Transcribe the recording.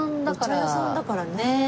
お茶屋さんだからねえ。